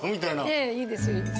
ええいいですよ。